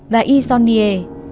và y son nye